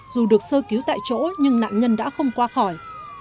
dù được sơ cứu tại chỗ nhưng nạn nhân đã không qua khỏi